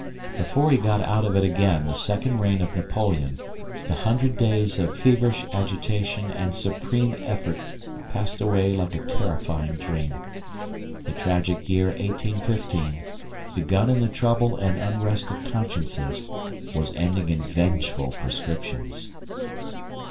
Before he got out of it again the second reign of Napoleon, the Hundred Days of feverish agitation and supreme effort passed away like a terrifying dream. The tragic year 1815, begun in the trouble and unrest of consciences, was ending in vengeful proscriptions.